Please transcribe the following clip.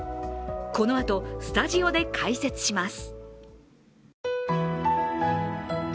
このあとスタジオで解説します。